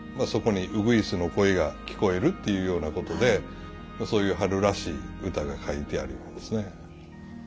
そこに鶯の声が聞こえるっていうようなことでそういう春らしい歌が書いてあるんですね。